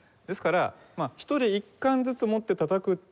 ですから１人１管ずつ持ってたたく。